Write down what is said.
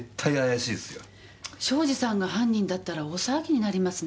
庄司さんが犯人だったら大騒ぎになりますね。